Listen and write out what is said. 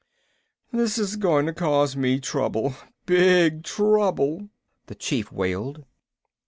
"This is going to cause me trouble, big trouble," the Chief wailed.